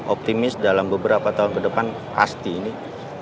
optimis dalam beberapa tahun ke depan pasti ini